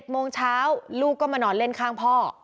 โมงเช้าลูกก็มานอนเล่นข้างพ่อ